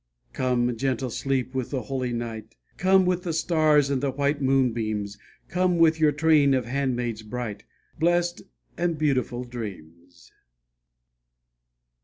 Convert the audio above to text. Come, gentle sleep, with the holy night, Come with the stars and the white moonbeams, Come with your train of handmaids bright, Blessed and beautiful dreams.